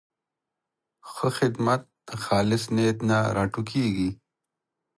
ښه خدمت د خالص نیت نه راټوکېږي.